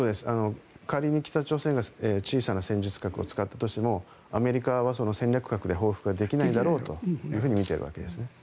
仮に北朝鮮が小さな戦術核を使ったとしてもアメリカは戦略核で報復できないだろうとみているわけですね。